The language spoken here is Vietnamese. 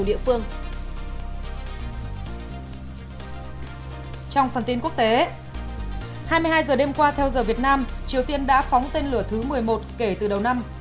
trong phần tin quốc tế hai mươi hai h đêm qua theo giờ việt nam triều tiên đã phóng tên lửa thứ một mươi một kể từ đầu năm